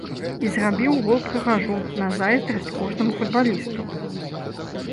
І зрабіў гол-прыгажун, на зайздрасць кожнаму футбалісту.